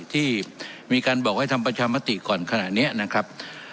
ที่มีการบอกให้ทำประชามติก่อนขณะนี้นะครับ